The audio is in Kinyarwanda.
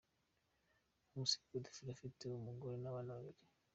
Nkusi Godfrey afite umugore n’abana babiri.